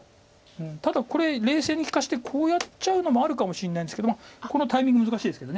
ただこれ冷静に利かしてこうやっちゃうのもあるかもしれないんですけどこのタイミング難しいですけど。